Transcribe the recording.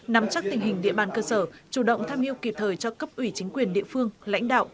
nắm chắc tình hình địa bàn cơ sở chủ động tham hiu kịp thời cho cấp ủy chính quyền địa phương lãnh đạo